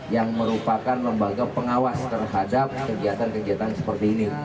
yang merupakan lembaga pengawas terhadap kegiatan kegiatan seperti ini